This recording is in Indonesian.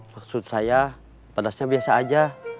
maksud saya pedasnya biasa aja